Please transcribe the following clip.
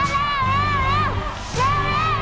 เร็ว